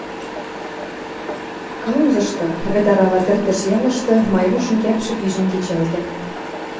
...Каузышты, вӹд арава тӹртӹш ялышты, Майрушын кӓпшӹ пижӹн кечӓлтӹн.